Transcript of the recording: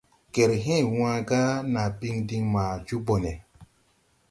Gerhee wãã gà naa biŋ diŋ maa jo ɓone.